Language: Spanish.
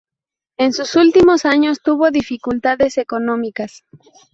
En sus últimos años tuvo dificultades económicas.